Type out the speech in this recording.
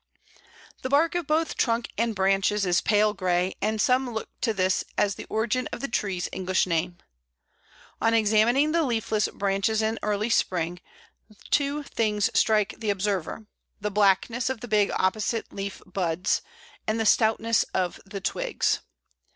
The bark of both trunk and branches is pale grey, and some look to this as the origin of the tree's English name. On examining the leafless branches in early spring, two things strike the observer the blackness of the big opposite leaf buds, and the stoutness of the twigs.